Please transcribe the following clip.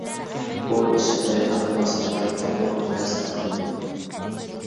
بۇ ئىش رەيھان قاسىمغا چوڭقۇر تەسىر قىلدى.